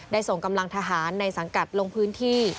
ส่งกำลังทหารในสังกัดลงพื้นที่